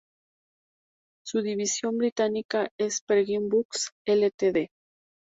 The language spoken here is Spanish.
Su división británica es "Penguin Books Ltd.